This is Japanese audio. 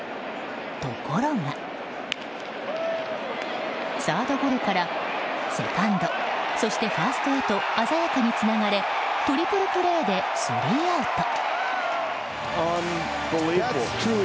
ところがサードゴロからセカンドそしてファーストへと鮮やかにつながれトリプルプレーでスリーアウト。